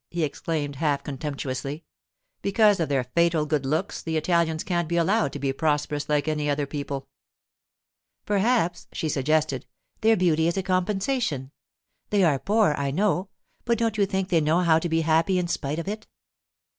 he exclaimed half contemptuously. 'Because of their fatal good looks, the Italians can't be allowed to be prosperous like any other people.' 'Perhaps,' she suggested, 'their beauty is a compensation. They are poor, I know; but don't you think they know how to be happy in spite of it?